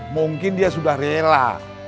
mungkin dia sudah rela